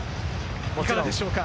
いかがでしょうか？